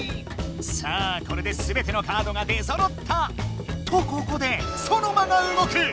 さあこれですべてのカードが出そろった！とここでソノマが動く！